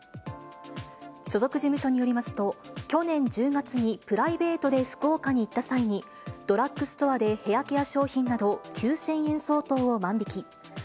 所属事務所によりますと、去年１０月に、プライベートで福岡に行った際に、ドラッグストアでヘアケア商品など９０００円相当を万引き。